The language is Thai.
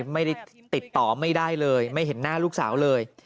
ไม่ได้ติดต่อไม่ได้เลยไม่เห็นหน้าลูกสาวเลย